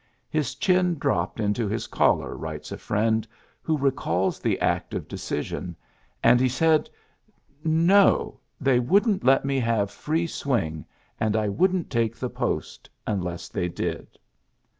'^ His chin dropped into his collar, '' writes a friend who recalls the act of decision; and he said, ^^ ^No! they wouldn't let me have free swing, and I wouldn't take the post unless they did.'